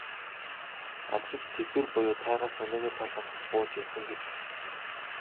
Анчид Сибирь буюу тайгаас өнөөгийн тал нутагт бууж ирсэн гэж үздэг.